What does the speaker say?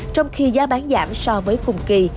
trong khi giá bán giảm so với cùng kỳ